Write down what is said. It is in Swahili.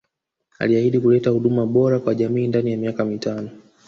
Alihaidi kuleta huduma bora kwa jamii ndani ya miaka mitano